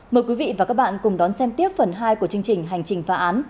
mời quý vị và các bạn cùng đón xem tiếp phần hai của chương trình hành trình phá án